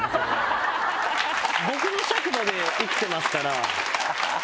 僕の尺度で生きてますから。